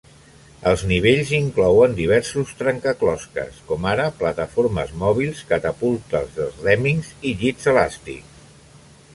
Els nivells inclouen diversos trencaclosques, com ara plataformes mòbils, catapultes dels Lemmings i llits elàstics.